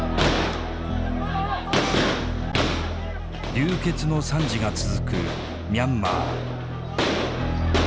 流血の惨事が続くミャンマー。